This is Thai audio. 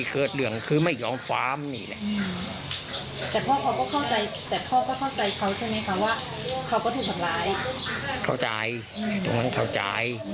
เข้าใจเพราะฉะนั้นเข้าใจ